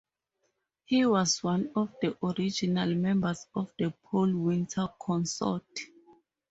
He was one of the original members of the Paul Winter Consort.